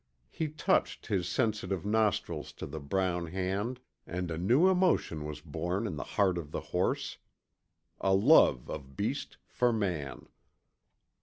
He touched his sensitive nostrils to the brown hand and a new emotion was born in the heart of the horse. A love of beast for man.